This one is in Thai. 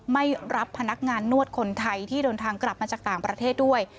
ไม่รับพนักงานนวดคนไทยที่เดินทางกลับมาจากต่างประเทศด้วย